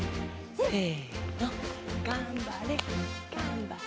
せのがんばれがんばれ！